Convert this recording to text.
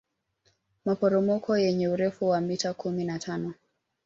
maporomoko yenye urefu wa mita kumi na tano